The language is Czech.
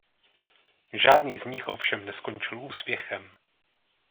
Žádný z nich ovšem neskončil úspěchem.